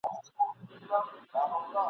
چي اصل تصویر پټ وي !.